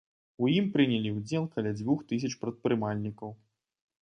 У ім прынялі ўдзел каля дзвюх тысяч прадпрымальнікаў.